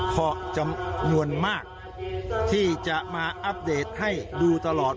เพราะจำนวนมากที่จะมาอัปเดตให้ดูตลอด